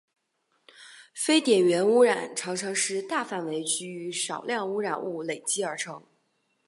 非点源污染常常是大范围区域少量污染物累积而成。